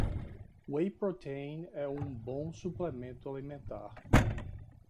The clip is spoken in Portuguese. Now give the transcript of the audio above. Whey protein é um bom suplemento alimentar